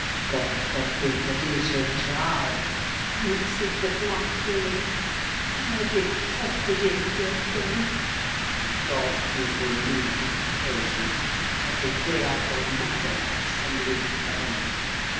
"God forbid that he should try!" answered the black villain. I detested him just then. "God keep him meek and patient! Every day I grow madder after sending him to heaven!"